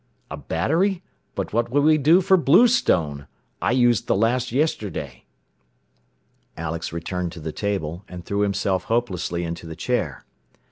"A battery? But what would we do for bluestone? I used the last yesterday!" Alex returned to the table, and threw himself hopelessly into the chair.